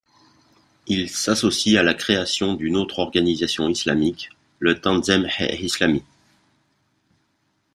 Il s'associe à la création d'une autre organisation islamique, le Tanzeem-e-Islami.